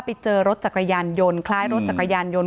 ไปเจอรถจักรยานยนต์คล้ายรถจักรยานยนต์